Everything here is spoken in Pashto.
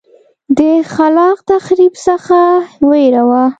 د خلاق تخریب څخه وېره وه.